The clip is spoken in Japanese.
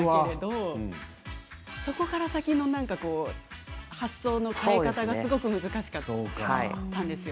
そこから先の発想のしかたがすごく難しかったんですよ。